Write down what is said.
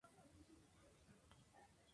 Estudió en el liceo Condorcet.